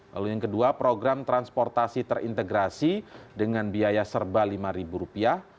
lalu yang kedua program transportasi terintegrasi dengan biaya serba lima ribu rupiah